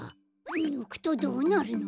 ぬくとどうなるの？